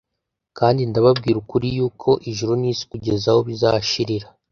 Kandi ndababwira ukuri yuko ijuru nisi kugeza aho bizashirira